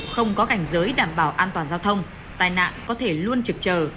không có cảnh giới đảm bảo an toàn giao thông tai nạn có thể luôn trực chờ